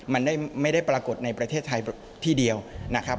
มันไม่ได้ปรากฏในประเทศไทยที่เดียวนะครับ